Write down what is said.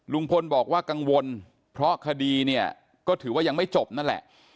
ลุงพลบอกว่ากังวลเพราะคดีเนี่ยก็ถือว่ายังไม่จบนั่นแหละ